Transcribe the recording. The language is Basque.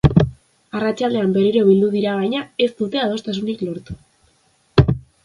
Arratsaldean berriro bildu dira, baina ez dute adostasunik lortu.